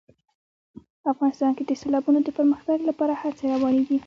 افغانستان کې د سیلابونو د پرمختګ لپاره هڅې روانې دي.